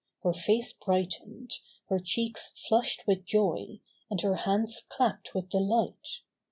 Her face brightened, her cheeks flushed with joy, and her hands clapped with delight.